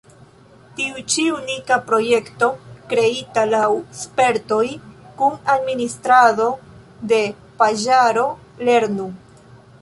Tiu ĉi unika projekto kreita laŭ spertoj kun administrado de paĝaro lernu!